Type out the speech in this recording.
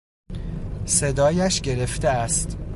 صدایش گرفته است.